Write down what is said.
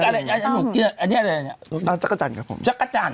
กะจันครับผมเจ๊ยักกะจัน